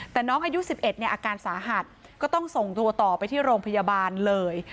แต่น้องอายุ๑๑เนี่ยอาการสาหัสก็ต้องส่งตัวต่อไปที่โรงพยาบาลเลย